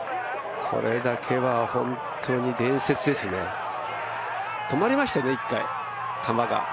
これだけは本当に伝説ですね、止まりましたね、１回、球が。